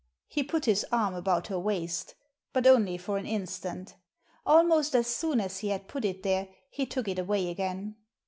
He put his arm about her waist But only for an instant Almost as soon as he had put it there he took it away again.